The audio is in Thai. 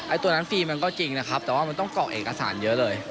ตัวนั้นฟรีมันก็จริงนะครับแต่ว่ามันต้องกรอกเอกสารเยอะเลย